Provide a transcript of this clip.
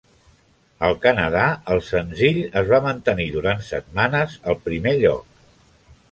Al Canadà, el senzill es va mantenir durant setmanes al primer lloc.